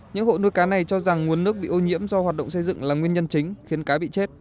những hộ nuôi cá này cho rằng nguồn nước bị ô nhiễm do hoạt động xây dựng là nguyên nhân chính khiến cá bị chết